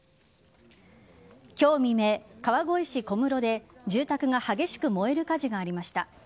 今日未明川越市小室で住宅が激しく燃える火事がありました。